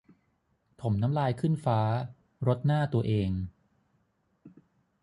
ถ่มน้ำลายขึ้นฟ้า รดหน้าตัวเอง